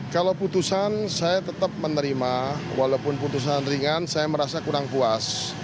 kalau putusan saya tetap menerima walaupun putusan ringan saya merasa kurang puas